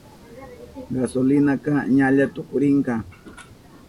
Gasolinaka ñalla tukurinka.